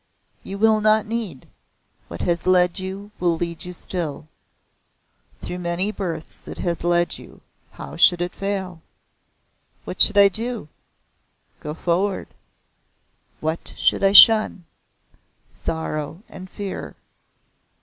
"You will not need. What has led you will lead you still. Through many births it has led you. How should it fail?" "What should I do?" "Go forward." "What should I shun?" "Sorrow and fear."